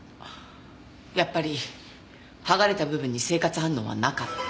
やっぱり剥がれた部分に生活反応はなかった。